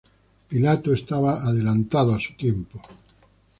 Pilato estaba adelantado a su tiempo.